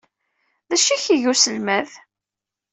D acu ay ak-iga uselmad?